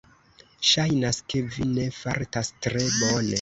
Ŝajnas, ke vi ne fartas tre bone.